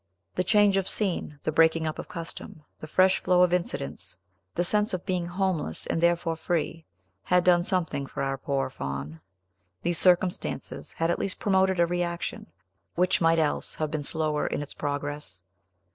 The change of scene, the breaking up of custom, the fresh flow of incidents, the sense of being homeless, and therefore free, had done something for our poor Faun; these circumstances had at least promoted a reaction, which might else have been slower in its progress.